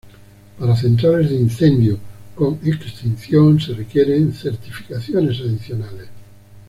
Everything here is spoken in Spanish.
Para centrales de incendio con extinción, se requieren certificaciones adicionales.